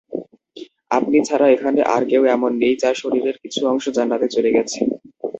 আপনি ছাড়া এখানে আর কেউ এমন নেই যার শরীরের কিছু অংশ জান্নাতে চলে গেছে।